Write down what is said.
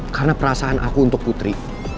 karena perasaan aku untuk putri